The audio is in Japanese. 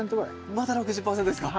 まだ６０％ですか？